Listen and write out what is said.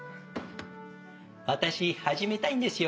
私始めたいんですよ